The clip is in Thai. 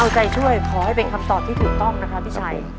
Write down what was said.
เอาใจช่วยขอให้เป็นคำตอบที่ถูกต้องนะคะพี่ชัย